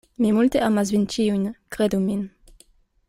Mi multe amas vin ĉiujn; kredu min.